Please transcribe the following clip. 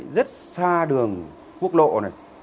rất xa đường quốc lộ này